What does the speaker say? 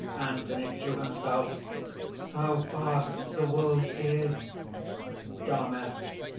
ANTHONY (to himself). "How vast the world is!" DAMIS.